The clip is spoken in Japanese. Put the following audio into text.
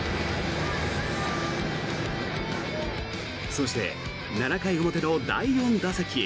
そして、７回表の第４打席。